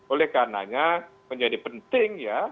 oleh karenanya menjadi penting ya